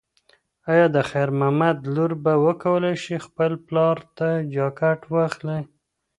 ایا د خیر محمد لور به وکولی شي خپل پلار ته جاکټ واخلي؟